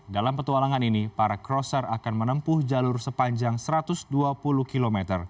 dalam petualangan ini para crosser akan menempuh jalur sepanjang satu ratus dua puluh km